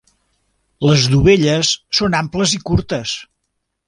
Les dovelles són amples i curtes.